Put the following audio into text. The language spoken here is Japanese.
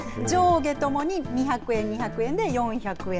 上下ともに２００円、２００円で４００円。